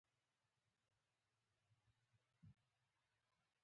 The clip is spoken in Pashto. په افغانستان کې غزني د خلکو د ژوند په کیفیت تاثیر کوي.